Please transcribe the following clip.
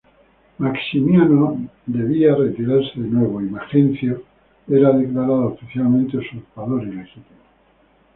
Maximiano debía retirarse de nuevo, y Majencio era declarado oficialmente usurpador ilegítimo.